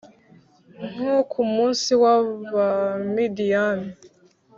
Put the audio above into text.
Nko ku munsi w abamidiyani